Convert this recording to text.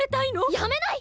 やめない！